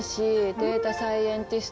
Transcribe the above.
データサイエンティスト。